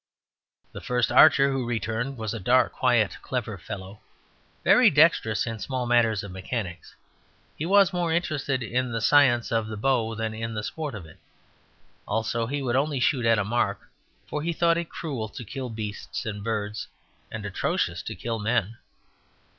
The first archer who returned was a dark, quiet, clever fellow, very dexterous in small matters of mechanics. He was more interested in the science of the bow than in the sport of it. Also he would only shoot at a mark, for he thought it cruel to kill beasts and birds, and atrocious to kill men.